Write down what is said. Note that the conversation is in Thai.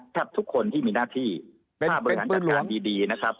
ทุกคนที่มีหน้าที่ถ้าบริหารจัดการดีนะครับ